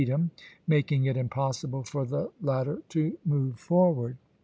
ham, making it impossible for the latter to move forward.